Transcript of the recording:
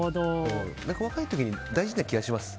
若い時に大事な気がします。